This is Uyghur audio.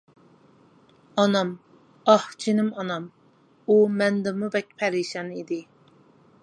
ئانام، ئاھ جېنىم ئانام، ئۇ مەندىنمۇ بەك پەرىشان ئىدى.